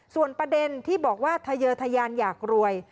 ส่วนประเด็นที่บอกว่าทะเยอร์ทะยานอยากรวย